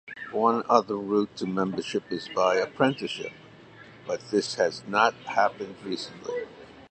One other route to membership is by apprenticeship, but this has not happened recently.